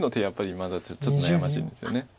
やっぱりまだちょっと悩ましいんですよね。